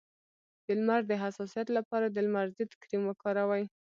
د لمر د حساسیت لپاره د لمر ضد کریم وکاروئ